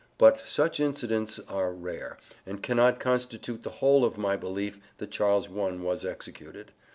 But such incidents are rare, and cannot constitute the whole of my belief that Charles I was executed.